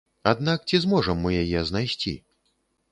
Аднак ці зможам мы яе знайсці?